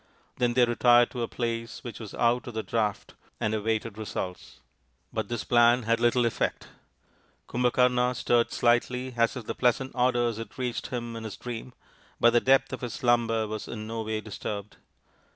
Then they retired to a place which was out of the draught and awaited results. But this plan had little effect. Kumbhakarna stirred slightly as if the pleasant odours had reached him in his dream, but the depth of his slumber was in no way disturbed.